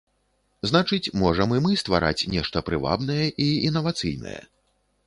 Значыць, можам і мы ствараць нешта прывабнае і інавацыйнае.